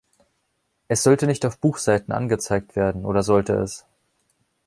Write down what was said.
Es sollte nicht auf Buchseiten angezeigt werden, oder sollte es?